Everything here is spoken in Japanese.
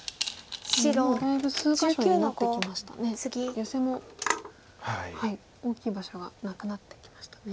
ヨセも大きい場所がなくなってきましたね。